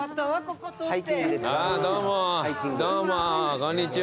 こんにちは。